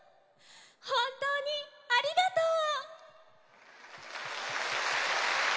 ほんとうにありがとう！